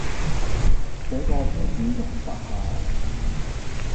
這個圈子容不下我